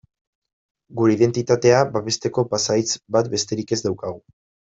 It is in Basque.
Gure identitatea babesteko pasahitz bat besterik ez daukagu.